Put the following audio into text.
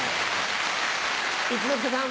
一之輔さん。